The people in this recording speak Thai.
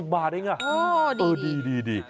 ๔๐บาทอย่างแล้วอ๋อดี